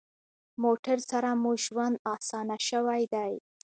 موټر سره مو ژوند اسانه شوی دی.